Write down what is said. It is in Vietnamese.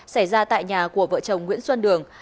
xảy ra tại nhà của vợ chồng nguyễn xuân đường